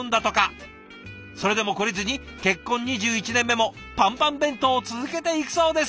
それでも懲りずに結婚２１年目もパンパン弁当を続けていくそうです！